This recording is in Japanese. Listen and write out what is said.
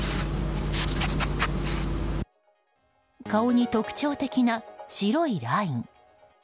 顔に特徴的な白いライン。